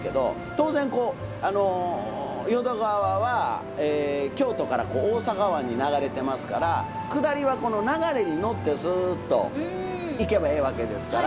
当然こう淀川は京都から大阪湾に流れてますから下りはこう流れに乗ってすっと行けばええわけですから。